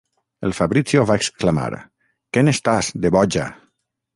El Fabrizio va exclamar... que n'estàs, de boja!